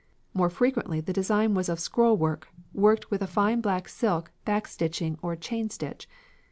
More frequently the design was of scrollwork, worked with a fine black silk back stitching or chain stitch.